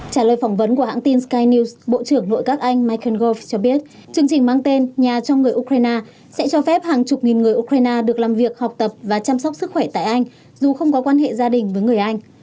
trả lời phỏng vấn của hãng tin skynews bộ trưởng nội các anh michael gove cho biết chương trình mang tên nhà cho người ukraine sẽ cho phép hàng chục nghìn người ukraine được làm việc học tập và chăm sóc sức khỏe tại anh dù không có quan hệ gia đình với người anh